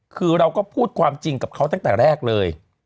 คือเราก็พูดความจริงกับเขาตั้งแต่แรกเลย